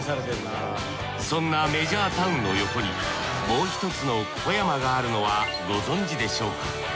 そんなメジャータウンの横にもう１つの小山があるのはご存じでしょうか？